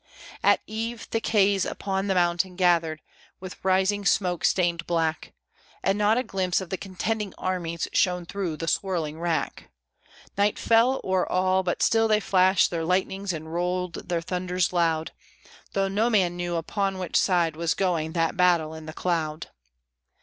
At eve thick haze upon the mountain gathered, with rising smoke stained black, And not a glimpse of the contending armies shone through the swirling rack. Night fell o'er all; but still they flashed their lightnings and rolled their thunders loud, Though no man knew upon which side was going that battle in the cloud.